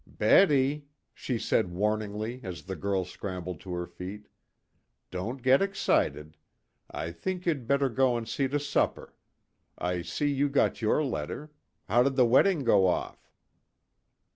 "Betty," she said warningly as the girl scrambled to her feet, "don't get excited. I think you'd better go and see to supper. I see you got your letter. How did the wedding go off?"